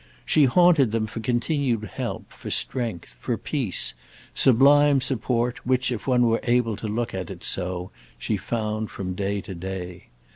She haunted them for continued help, for strength, for peace—sublime support which, if one were able to look at it so, she found from day to day.